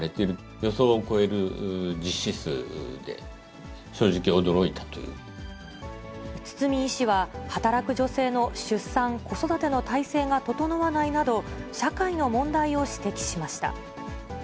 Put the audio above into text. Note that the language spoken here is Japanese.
予想を超える実施数で、堤医師は、働く女性の出産、子育ての体制が整わないなど、社会の問題を指摘しました。